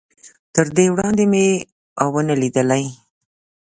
تر دې وړاندې مې نه و ليدلی.